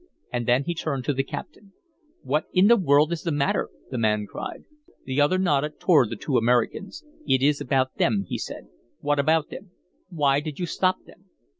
And then he turned to the captain. "What in the world is the matter?" the man cried. The other nodded toward the two Americans. "It is about them," he said. "What about them?" "Why did you stop them?"